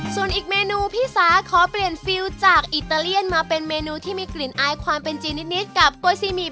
ส่วนอีกเมนูพี่สาขอเปลี่ยนฟิลจากอิตาเลียนมาเป็นเมนูที่มีกลิ่นอายความเป็นจีนนิดกับตัวซีหมี่